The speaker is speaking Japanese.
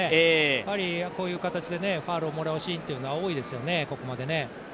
やっぱりこういう形でファウルをもらうシーンがここまで多いですよね。